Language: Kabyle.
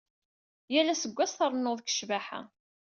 Yal aseggas trennud deg ccbaḥa.